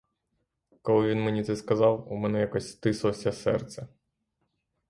Коли він мені це сказав, — у мене якось стислося серце.